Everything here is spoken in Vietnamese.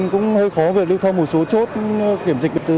khó lưu thông một số chốt kiểm dịch